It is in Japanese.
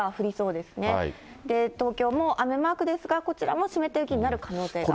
で、東京も雨マークですが、こちらも湿った雪になる可能性があります。